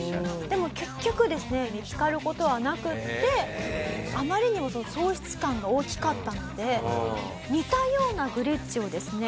でも結局ですね見つかる事はなくってあまりにもその喪失感が大きかったので似たようなグレッチをですね